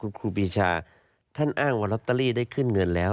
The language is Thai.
คุณครูปีชาท่านอ้างว่าลอตเตอรี่ได้ขึ้นเงินแล้ว